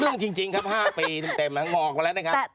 เรื่องจริงครับห้าปีเต็มแล้วหงอกละนะครับ